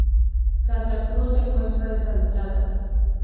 Santa Cruz se encuentra deshabitada.